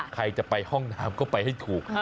ใครจะไปห้องน้ำก็ไปให้ถูก